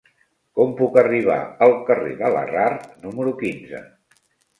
Com puc arribar al carrer de Larrard número quinze?